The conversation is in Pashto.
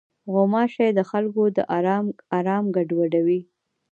غوماشې د خلکو د آرام ګډوډوي.